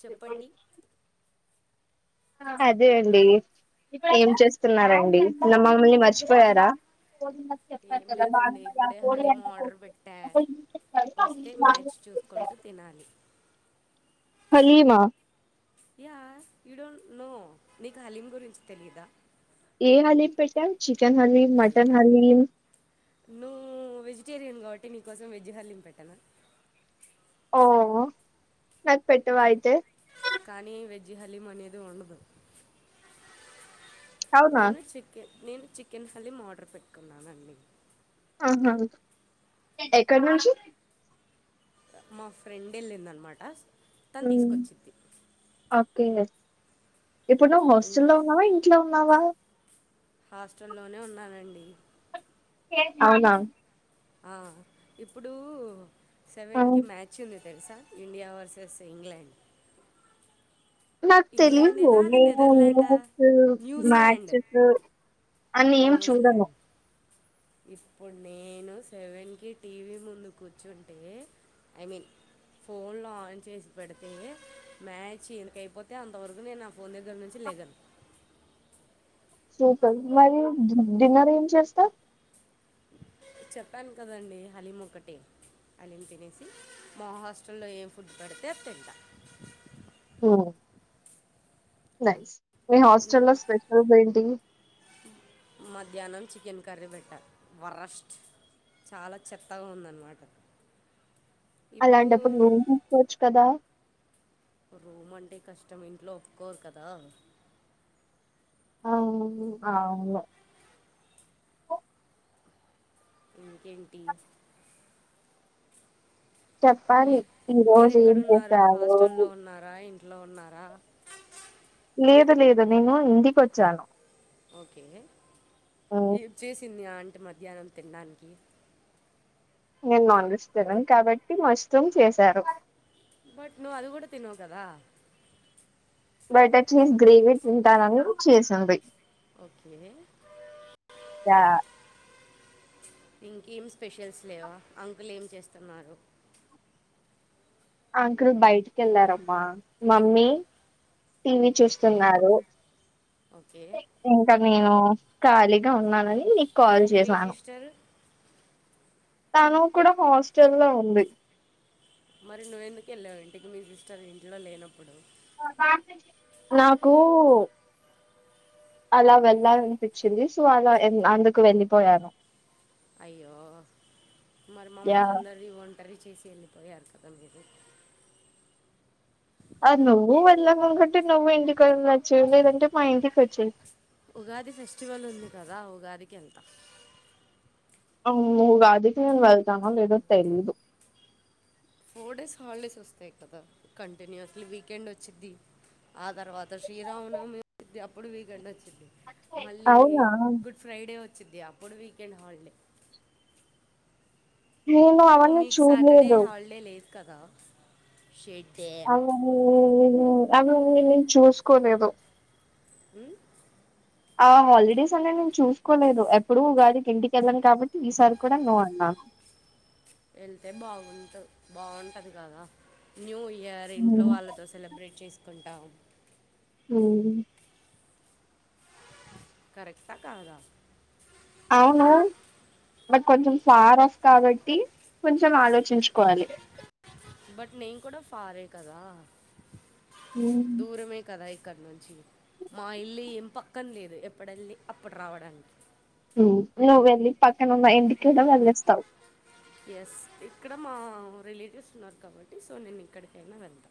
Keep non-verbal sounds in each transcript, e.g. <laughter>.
చెప్పండి అదే అండి ఏం చేస్తున్నారంండి నా మమ్మల్ని మర్చిపోయారా కోడిన్న చెప్పారు ఏం కదా లేదండి బాగా ఆ ఇప్పుడే కోడి హలీమా అన్న ఆర్డర్ పెట్టా కో చెరుా వస్తే మ్యాచ్ చూసుకుంటూ తినాలి హలీమా యా యూ డోంట్ నో నీకు హలీం గురించి తెలీయదా ఏ హలీం పెట్టాం చికెన్ హలీం హాలు మటన్ హలీం నువ్వు వెజిటేరియన్ కాబట్టి నీకోసం వెజ్ హలీం పెట్టాను ఓ నాకు పెట్టవా అయితే కానీ వెజ్ హలీం అనేది ఉండదు అవునా నేను చికెన్ నేను చికెన్ హలీం ఆర్డర్ పెట్టుకున్నానండి ఆహా ఎక్కడ నుంచి మా ఫ్రెండ్ వెళ్ళిందనమాట తను తీసుకొచ్చింది కే ఇప్పుడు నువ్ ఇం- హాస్టల్లో ఉన్నావా ఇంట్లో ఉన్నావా హాస్టల్లోనే ఉన్నానండి అవునా ఆ ఇప్పుడు ఆ సెవెన్ కి మ్యాచ్ ఉంది తెలుసా ఇండియా వర్సెస్ ఇంగ్లాండ్ నాకు తెలీదు ఇంగ్లాండేనా అది నేను నెదర్లాండా న్యూస్ న్యూజిలాండ్ మ్యాచెస్ అని ఏం చూడను న్యూజిలాండ్ ఇప్పుడు నేను సెవెన్ కి టీవీ ముందు కూర్చుంటే ఐ మీన్ ఫోన్ లో ఆన్ చేసి పెడితే మ్యాచ్ ఎంతకయిపోతే అంతవరకు నేను పన్గ నుంచి లేెగన్ క మరి డిన్నర్ ఏం చేస్తారు చెప్పాను కదండి హలీం ఒక్కటి అది తినేసి మా హాస్టల్లో ఏం ఫుడ్ పెడితే అది తింటా ఓ నైస్ మీ హాస్టల్లో స్పెషల్ ఏంటి మధ్యాహ్నం చికెన్ కర్రీ పెట్టారు వరస్ట్ చాలా చెత్తగా ఉందన్నమాట ఇప్పుడు అలాంటప్పుడు రూం తీసుకోవచ్చు కదా రూమ్ అంటే కష్టం ఇంట్లో ఒప్పుకోరు కదా ఆ అవును ఇంకేంటి చెప్పాలి ఈ మీరు రోజు ఏం చేశారు లోన్నర లేదు లేదు నేను ఇంటికి వచ్చాను ఓకే ఏం చేసింది ఆంటి మధ్యాహ్నం తినడానికి నేను నాన్ వెజ్ తినను కాబట్టి మష్ రూం చేశారు బట్ నువ్ అది కూడా తినవు కదా బటర్ చీజ్ గ్రేవీ తింటానని చేసింది ఓకే <unintelligible> ఇంకేం స్పెషల్స్ లేవా అంకుల్ ఏం చేస్తున్నారు అంకుల్ బయటికి వెళ్ళారమ్మా మమ్మీ టీవీ చూస్తున్నారు ఓకే ఇంకా నేను ఖాళీగా ఉన్నానని నీ మీ సిస్టర్ తను కూడా హాస్టల్ లో ఉంది మరి నువ్వెందుకు వెళ్ళావు ఇంటికి మీ సిస్టర్ ఇంట్లో లేనప్పుడు నాకు అలా వెళ్ళాలనిపించింది సో అలా ఎన్ అందుకు వెళ్ళిపోయాను అయ్యో మరి యా మమ్మల్న అందరిని వొన్ కర్రీ చేసి ఎళ్ళిపోయారు కదా మీరు ఆ నువ్వు వెళ్ళముకంటే నువ్వు ఇంటికి వెళ్ళొచ్చు లేదంటే మా ఇంటికి వొచ్చేయ్ ఉగాది ఫెస్టివల్ ఉంది కదా ఉగాదికెల్తా అవు ఉగాదికి మేం వెళ్తామా లేదో తెలీదు ఫోర్ డేస్ హాలిడేస్ వస్తాయి కదా కంటిన్యూయస్లీ వీకెండ్ వొచ్చిద్ది ఆ తర్వాత శ్రీరామనవమి ఉండిద్ది అప్పుడు వీకెండ్ వచ్చిద్ది మళ్ళీ అవునా గుడ్ ఫ్రైడే వచ్చింది అప్పుడు వీకెండ్ హాలిడే నేను ఓ అవన్నీ మీకు సాటర్డే చూడ్లేదు హాలిడే లేదు కదా షెడ్ డే అవు అవి నేను చూసుకోలేదు మ్మ్ ఆ హాలిడేస్ అనే నేను చూసుకోలేదు ఎప్పుడు ఉగాదికి ఇంటికెళ్ళను కాబట్టి ఈసారి కూడా నో అన్నాను <inaudible> ఎళ్తే బాగుంటు బాగుంటది కదా న్యూ ఇయర్ ఇంట్లో వాళ్ళతో సెలబ్రేట్ చేసుకుంటామ్ మ్మ్ కరెక్టా కాదా అవును బట్ కొంచెం సారోస్క వెట్టి కొంచెం ఆలోచించుకోవాలి బట్ నేన్ కూడా ఫారే కదా మ్మ్ దూరమే కదా ఇ క్కడ నుంచి మా ఇల్లు ఏం పక్కన లేదు ఎప్పుడెళ్లి అప్పుడు రావడానికి మ్మ్ నువ్వు వెళ్ళి పక్కన ఉన్న ఇంటికడ వళ్లేేస్తావ్ ఎస్ ఇక్కడ మా రిలేటివ్స్ ఉన్నారు కాబట్టి సో నేను ఇక్కడికైనా వెళ్తా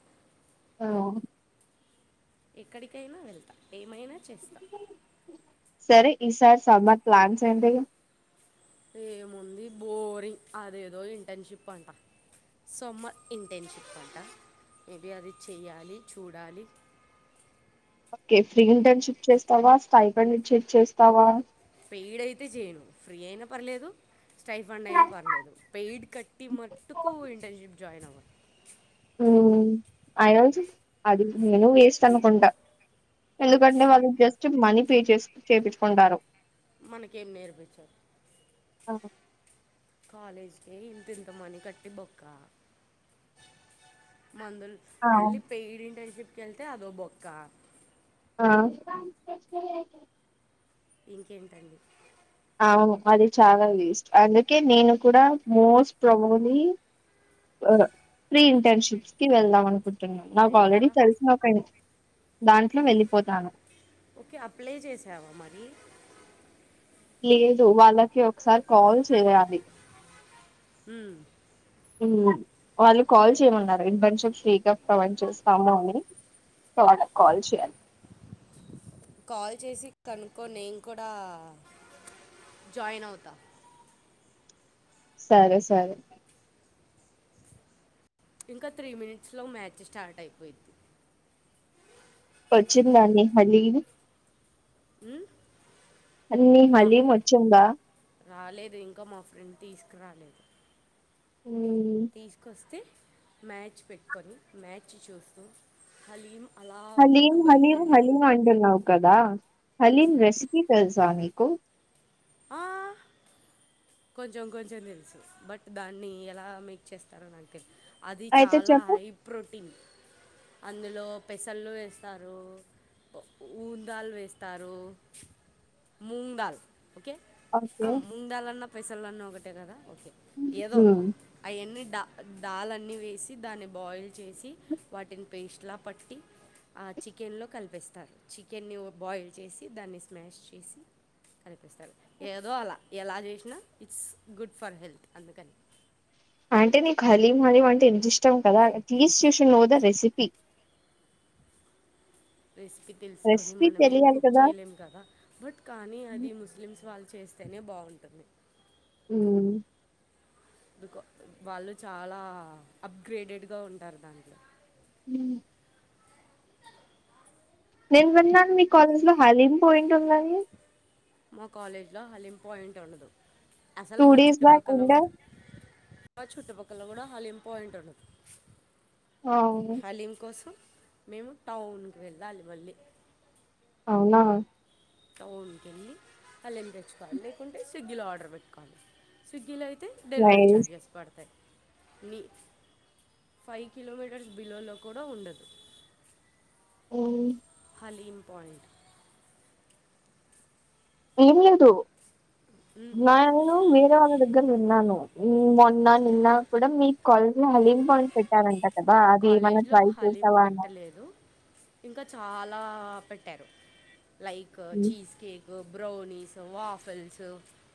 ఆ ఎక్కడికైనా వెళ్తా ఏమైనా చేస్తా ఈ సారి సమ్మర్ ప్లాన్స్ ఏంటి ఏముంది బోరింగ్ అదేదో ఇంటర్న్షిప్ అంట సొమ్మర్ ఇంటర్న్షిప్ అంట మేబి అది చెయ్యాలి చూడాలి ఓకే ఫ్రీ ఇంటర్న్షిప్ చేస్తావా స్టైఫండ్ ఇన్ షిప్ చేస్తావా ఈడయితే చేయను ఫ్రీ అయినా పర్లేదు స్టైఫండ్ అయినా పర్లేదు పెయిడ్ కట్టి మట్టుకు ఇంటర్న్షిప్ జాయిన్ అవ్వను మ్మ్ ఆయనోజు అది నేను వేస్ట్ అనుకుంటా అ- ఎందుకంటే వాళ్ళు జస్ట్ మనీ పే చేస్ చేపిం చుకుంటారు మనకేం నేర్పిచ్చరు ఆ కాలేజ్ కే ఇంతింత మనీ కట్టి బొక్కా మందులు మళ్ళీ పెయిడ్ ఇంటర్న్షిప్కి ఎళ్తే అదో బొక్క ఆ ఇంకేంటండి అవును అది చాలా వేస్ట్ అందుకే నేను కూడా మోస్ట్ ప్రమోలీ ఆ ప్రీ ఇంటర్న్షిప్స్ కి వెళ్దాం అనుకున్ తున్న నాకు నేను ఆల్రెడీ కూడా తెలిసిన ఒక ఇన్ దాంట్లో వెళ్ళిపోతాను ఓకే అప్లై చేసావా మరి లేదు వాళ్ళకి ఒకసారి కాల్ చేయాలి మ్మ్ మ్ వాళ్ళు కాల్ చేయమన్నారు ఇంటర్న్షిప్ ఫ్రీగా ప్రొవైడ్ చేస్తాము అని సొ వాళ్ళకి కాల్ చేయాలి కనుకో నేను కూడా జాయిన్ అవుతా సరే సరే ఇంకా త్రీ మినిట్స్ లో మ్యాచ్ స్టార్ట్ అయిపోయిద్ది పచ్చి దాని హలీము అన్నీ రా మళీ వచ్చందా రాలేదు ఇంకా మా ఫ్రెండ్ తీసుకురాలేదు ఉమ్, తీసుకొస్తే మ్యాచ్ పెట్టుకొని మ్యాచ్ చూస్తూ హలీం అలా హలీం ఒక్కొక్క బయట హలీం హలీం తింటామని అంటన్నావు కదా మ్మ్. హలీం రెసిపీ తెలుసా మీకు ఆ కొంచెం కొంచెం తెలుసు బట్ దాన్ని ఎలా మేక్ చేస్తారో నాకు తెలి అది అయితే చాలా చెప్పు హై ప్రోటీన్ అందులో పెసళ్ళు వేస్తారు మూంగ్ దాల్ వేస్తారు మూంగ్ దాల్ ఓకే ఆ ఓకే మూంగ్ దాల్ అన్న పెసళ్లున్నా ఒకటే కదా ఏదో ఉమ్, ఆ అన్నీ దా దాల్ అన్ని వేసి దాన్ని బాయిల్ చేసి వాటిని పేస్ట్లా పట్టి ఆ చికెన్లో కలిపిస్తారు చికెన్ని బాయిల్ చేసి దాన్ని స్మాష్ చేసి ఏదో అలా ఎలా చేసినా ఇట్స్ గుడ్ ఫర్ హెల్త్ అందుకని అంటే నీకు హలీం హలీం అంటే ఎంత ఇష్టం కదా at least you should know the recipe recipe తెలుసుకొని రెసిపీ మనం ఏం తెలియాలి కుక్ కదా చేయలేం కదా బట్ కానీ అది ముస్లిమ్స్ వాళ్ళు చేస్తేనే బాగుంటుంది ఉమ్ ఎందుకో వాళ్ళు చాలా అప్గ్రేడెడ్గా ఉంటారు దాంట్లో హమ్ నేను విన్నాను మీ కాలేజ్ లో హలీమ్ పాయింట్ ఉందని మా కాలేజీలో హలిం పాయింట్ ఉండదు అసలు టూ మా డేస్ బ్యాక్ చుట్టుపక్కల ఉండే కూడా మా చుట్టుపక్కల కూడా హలీం పాయింట్ ఉండదు అవును హలీం కోసం మేము టౌన్ కి వెళ్ళాలి మళ్ళీ అవునా టౌన్ కెళ్ళి హలిం తెచ్చుకోవాలి లేకుంటే స్విగ్గిలో ఆర్డర్ పెట్టుకోవాలి స్విగ్గీలో అయితే అయితే డెలివరీ నైస్ చార్జెస్ పడతయి నీ ఫైవ్ కిలోమీటర్స్ బిలోలో కూడా ఉండదు ఉమ్ హాలీం పయింట్ ఏం లేదు నేను వేరే వాళ్ళ దగ్గర విన్నాను మొన్న నిన్న కూడా మీ కాలజ్ లో హలీం పాయింట్ పెట్టు మా కాలేజీ లో హలీం అని పెట్టలేదు ఇంకా చాల్‌ ఆ పెట్టారు లైక్ మ్మ్. Cheesecake brownies waffles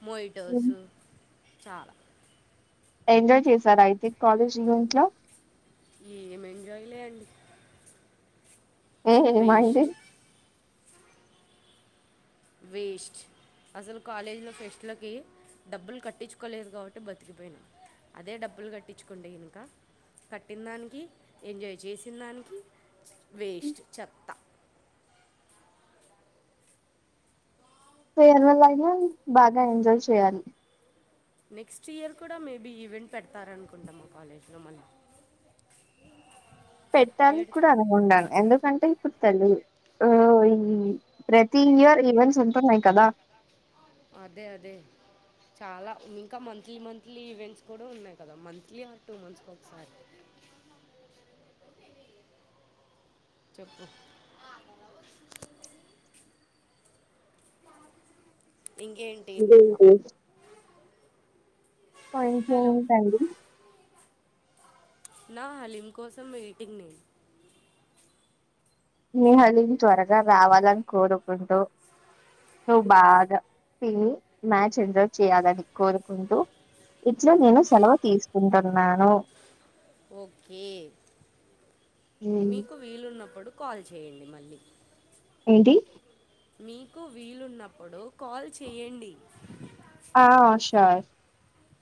mojitos చాలా ఎంజాయ్ చేశారా అయితే కాలేజ్ ఈవెంట్లో ఏం ఎంజాయ్లే అండి ఉఉమ్ అండి వేస్ట్ అసలు కాలేజీలో ఫెస్టులకి డబ్బులు కట్టించుకోలేదు కాబట్టి బతికిపోయినా అదే డబ్బులు కట్టించుకోండి ఇంకా కట్టిన దానికి ఎంజాయ్ చేసిన దానికి వేస్ట్ చెత్తా ఫేర్వెల్ అయిన బాగా ఎంజాయ్ చేయాలి నెక్స్ట్ ఇయర్ కూడా మేబీ ఈవెంట్ పెడతారనుకుంటా మా కాలేజ్లో మళ్ళీ పెట్టడానికి పెడ్ కూడా అనుకుంటను ఎందుకంటే సలి ఆ ఈ ప్రతి ఇయర్ ఈవెంట్స్ ఉంటున్నాయి కదా అదే అదే చాలా ఇంకా మంత్లీ మంత్లీ ఈవెంట్స్ కూడా ఉన్నాయి కదా మంత్లీ ఆ టూ మంత్స్ కి ఒకసారి చెప్పు ఇంకేంటి ఆ హలో ఇంకేటి అండి నా హలీం కోసం వెయిటింగ్ నేను ని హలిమ్ త్వరగా రావాలని కోరుకుంటూ నువ్వు బాగా తిని మ్యాచ్ ఎంజాయ్ చేయాలని కోరుకుంటూ ఇట్లా నేను సెలవు తీసుకుంటున్నాను ఓకే ఉమ్, మీకు వీలున్నప్పుడు కాల్ చేయండి మళ్ళీ ఏంటి మీకు వీలున్నప్పుడు కాల్ చేయండి ఆ షూర్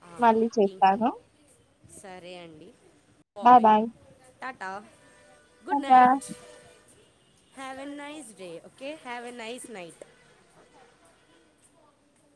ఆ, మళ్ళీ ఇం- చేస్తాను సరే అండి bye bye tata good tata night have nice day okay have nice night